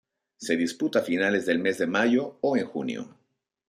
Se disputa a finales del mes de mayo o en junio.